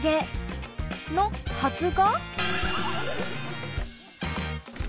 のはずが？